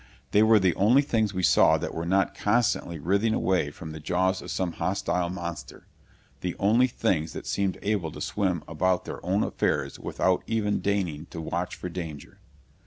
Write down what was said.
They were the only things we saw that were not constantly writhing away from the jaws of some hostile monster the only things that seemed able to swim about their own affairs without even deigning to watch for danger.